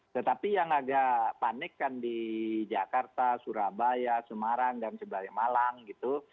tetapi yang agak panik kan di jakarta surabaya semarang dan sebagainya malang gitu